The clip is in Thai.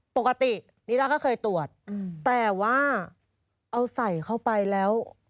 ปกตินิร่าก็เคยตรวจแต่ว่าเอาใส่เข้าไปแล้ว